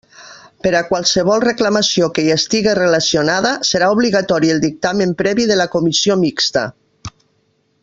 Per a qualsevol reclamació que hi estiga relacionada, serà obligatori el dictamen previ de la Comissió Mixta.